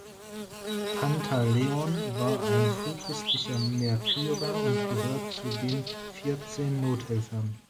Pantaleon war ein frühchristlicher Märtyrer und gehört zu den Vierzehn Nothelfern.